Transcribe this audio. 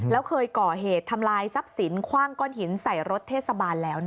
แล้วเคยก่อเหตุทำลายทรัพย์สินคว่างก้อนหินใส่รถเทศบาลแล้ว